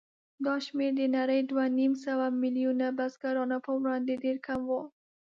دا شمېر د نړۍ دوهنیمسوه میلیونه بزګرانو په وړاندې ډېر کم و.